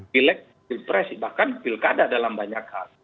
pilek pilpres bahkan pilkada dalam banyak hal